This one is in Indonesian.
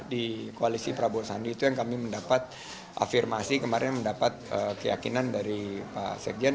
di koalisi prabowo sandi itu yang kami mendapat afirmasi kemarin mendapat keyakinan dari pak sekjen